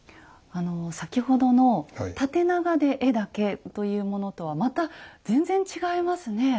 先ほどの縦長で絵だけというものとはまた全然違いますね。